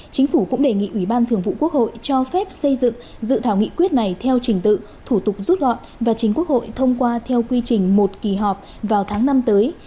chính phủ cũng đề nghị ủy ban thường vụ quốc hội cho phép xây dựng dự thảo nghị quyết này theo trình tự thủ tục rút gọn và chính quốc hội thông qua theo quy trình một kỳ họp vào tháng năm tới